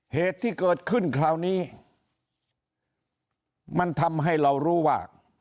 เหตุที่เกิดขึ้นคราวนี้มันทำให้เรารู้ว่า